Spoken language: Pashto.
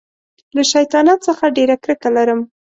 له شیطانت څخه ډېره کرکه لرم.